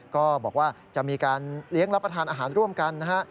ก็บอกว่าจะมีการเลี้ยงรับประทานอาหารร่วมกันนะฮะ